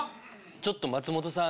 ちょっと松本さん